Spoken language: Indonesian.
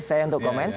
saya tidak akan komen